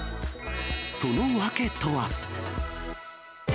その訳とは。